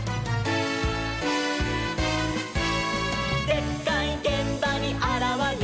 「でっかいげんばにあらわる！」